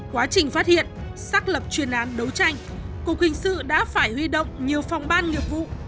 quá trình phát hiện xác lập chuyên án đấu tranh cục hình sự đã phải huy động nhiều phòng ban nghiệp vụ